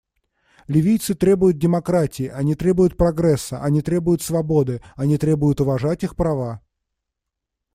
Ливийцы требуют демократии, они требуют прогресса, они требуют свободы, они требуют уважать их права.